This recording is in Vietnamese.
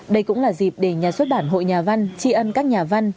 đây cũng là dịp để nhà xuất bản hội nhà văn tri ân các nhà văn